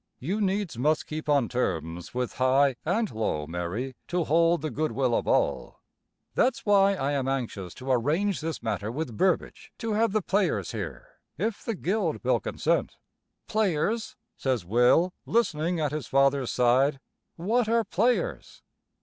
You needs must keep on terms with high and low, Mary, to hold the good will of all. That's why I am anxious to arrange this matter with Burbage to have the players here, if the Guild will consent " "Players?" says Will, listening at his father's side. "What are players?"